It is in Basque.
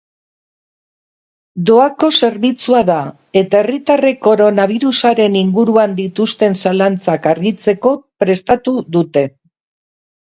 Doako zerbitzua da, eta herritarrek koronabirusaren inguruan dituzten zalantzak argitzeko prestatu dute.